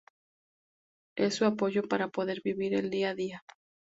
Es su apoyo para poder vivir el día a día...